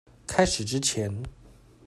開始之前